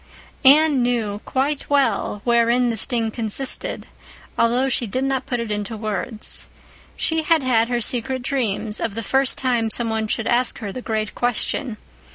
Anne knew quite well wherein the sting consisted, though she did not put it into words. She had had her secret dreams of the first time some one should ask her the great question.